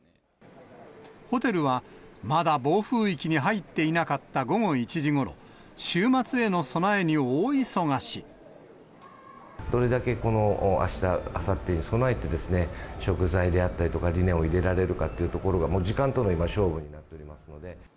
ホテルはまだ暴風域に入っていなかった午後１時ごろ、週末へどれだけあした、あさってに備えて、食材であったりとか、リネンを入れられるかっていうところが、時間との今、勝負になっておりますので。